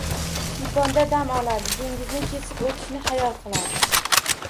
Shiyponda dam oladi, dengizni kesib oʻtishni xayol qiladi